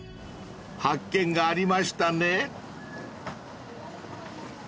［発見がありましたね］